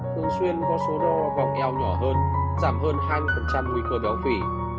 thường xuyên có số đo vòng eo nhỏ hơn giảm hơn hai nguy cơ béo phỉ